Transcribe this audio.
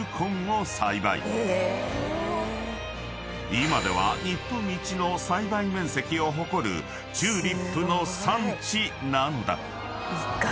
［今では日本一の栽培面積を誇るチューリップの産地なのだ］